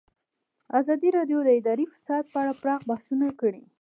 ازادي راډیو د اداري فساد په اړه پراخ بحثونه جوړ کړي.